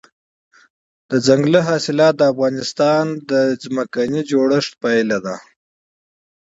دځنګل حاصلات د افغانستان د جغرافیایي موقیعت پایله ده.